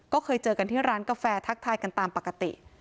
ก็เคยเจอกันที่ร้านกาแฟทักทายกันตามปกติ